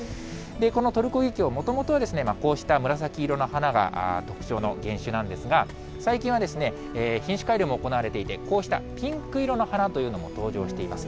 このトルコギキョウ、もともとはこうした紫色の花が特徴の原種なんですが、最近は、品種改良も行われていて、こうしたピンク色の花というのも登場しています。